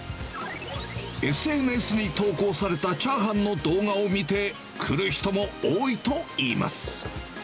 ＳＮＳに投稿されたチャーハンの動画を見て、来る人も多いといいます。